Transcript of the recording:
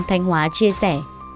thanh hóa triều nam